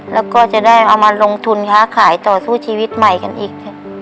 แล้วก็จะได้เอามาลงทุนค้าขายต่อสู้ชีวิตใหม่กันอีก